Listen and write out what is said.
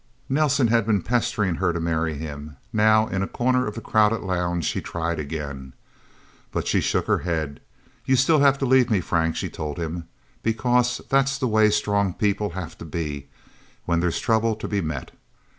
Nelsen had been pestering her to marry him. Now, in a corner of the crowded lounge, he tried again. She shook her head. "You'd still have to leave me, Frank," she told him. "Because that's the way strong people have to be when there's trouble to be met.